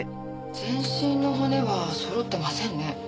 全身の骨はそろってませんね。